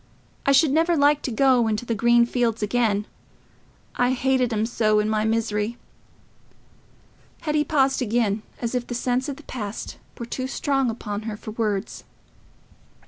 I should never like to go into the green fields again—I hated 'em so in my misery." Hetty paused again, as if the sense of the past were too strong upon her for words.